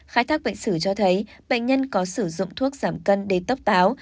khai thác bệnh sử cho thấy bệnh nhân có sử dụng thuốc giảm cân đến tốc táo